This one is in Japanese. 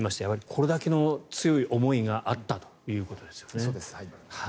これだけの強い思いがあったということですね。